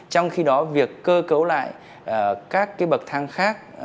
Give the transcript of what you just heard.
trong khi đó việc cơ cấu lại các bậc thang khác